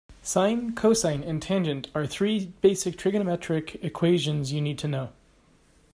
Sine, cosine and tangent are three basic trigonometric equations you'll need to know.